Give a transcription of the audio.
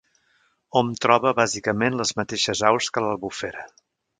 Hom troba bàsicament les mateixes aus que a l'albufera.